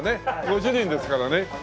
ご主人ですからね。